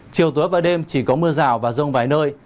chiều tối và đêm chỉ có mưa rào và rông vài nơi